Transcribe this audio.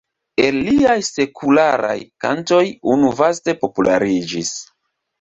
El liaj sekularaj kantoj unu vaste populariĝis.